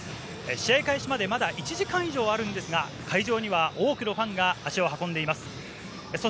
試合開始までまだ１時間以上あるんですが、会場には多くのファンが足を運んでいます。